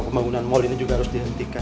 pembangunan mal ini juga harus dihentikan